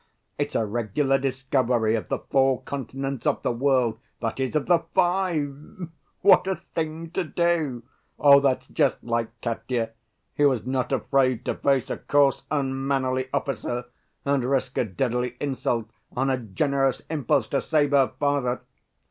It's a regular discovery of the four continents of the world, that is, of the five! What a thing to do! That's just like Katya, who was not afraid to face a coarse, unmannerly officer and risk a deadly insult on a generous impulse to save her father!